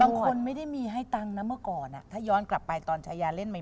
บางคนไม่ได้มีให้ตังค์นะเมื่อก่อนถ้าย้อนกลับไปตอนชายาเล่นใหม่